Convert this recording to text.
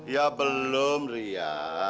ya belum ria